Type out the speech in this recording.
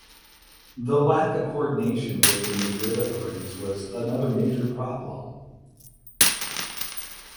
The lack of coordination with the Madrid authorities was another major problem.